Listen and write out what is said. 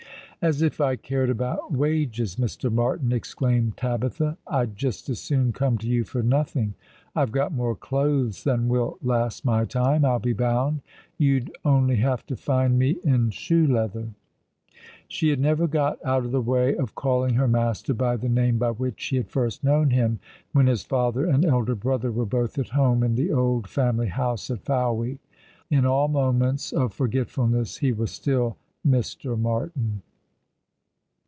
"As if I cared about wages, Mr. Martin," exclaimed Tabitha. " I'd just as soon come to you for nothing. I've got more clothes than will last my time, I'll be bound. You'd only have to find me in shoe leather." She had never got out of the way of calling her master by the name by which she had first known him, when his father and elder brother were both at home, ia the old family house at Fowey. In all moments of forgetfulness he was still "Mr. Martin."